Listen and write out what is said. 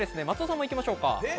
松尾さんも行きましょう。